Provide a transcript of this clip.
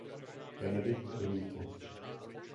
Benedikt odmítl.